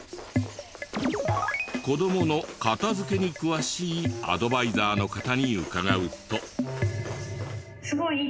子どもの片付けに詳しいアドバイザーの方に伺うと。